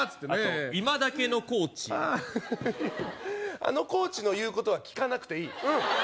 あのコーチの言うことは聞かなくていいうん